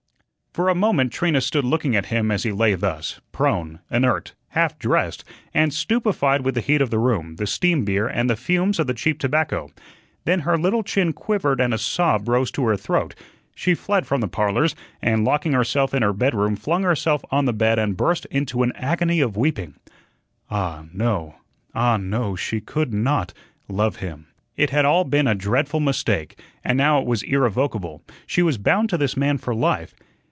For a moment Trina stood looking at him as he lay thus, prone, inert, half dressed, and stupefied with the heat of the room, the steam beer, and the fumes of the cheap tobacco. Then her little chin quivered and a sob rose to her throat; she fled from the "Parlors," and locking herself in her bedroom, flung herself on the bed and burst into an agony of weeping. Ah, no, ah, no, she could not love him. It had all been a dreadful mistake, and now it was irrevocable; she was bound to this man for life.